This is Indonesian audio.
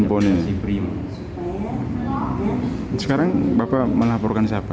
bisa cari tahu